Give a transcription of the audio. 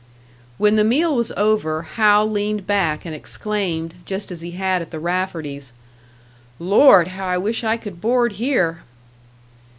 When the meal was over, Hal leaned back and exclaimed, just as he had at the Rafferties', "Lord, how I wish I could board here!"